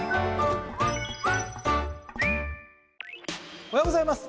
おはようございます。